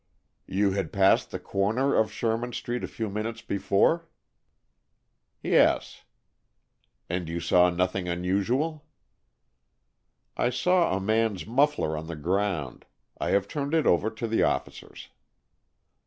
"You had passed the corner of Sherman Street a few minutes before?" "Yes." "And you saw nothing unusual?" "I saw a man's muffler on the ground. I have turned it over to the officers."